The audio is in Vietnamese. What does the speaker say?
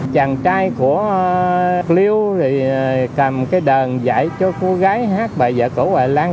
chàng trai của lưu thì cầm cái đàn dạy cho cô gái hát bài giả cổ hoài lan